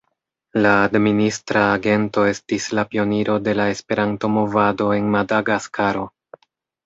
La administra agento estis la pioniro de la Esperanto-Movado en Madagaskaro.